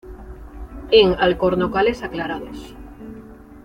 En alcornocales aclarados.